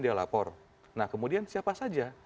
dia lapor nah kemudian siapa saja